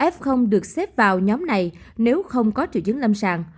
f được xếp vào nhóm này nếu không có triệu chứng lâm sàng